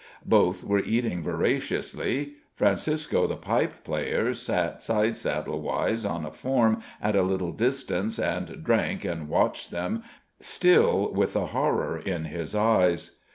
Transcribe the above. Both were eating voraciously. Francisco, the pipe player, sat sidesaddle wise on a form at a little distance and drank and watched them, still with the horror in his eyes.